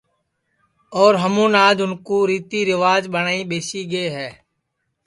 اور ہمون آج اُن کُو ریتی ریوج ٻٹؔائی ٻیسی گئے ہے